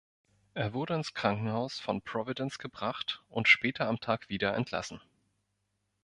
Er wurde ins Krankenhaus von Providence gebracht und später am Tag wieder entlassen.